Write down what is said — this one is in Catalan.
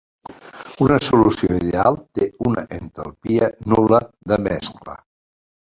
Una solució ideal té una entalpia nul·la de mescla.